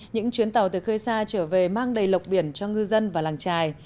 những chuyến tàu từ khơi xa trở về mang đầy lọc biển cho ngư dân và làng trài